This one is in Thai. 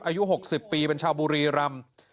อายุ๖๐ปีเป็นชาวบุรีรำ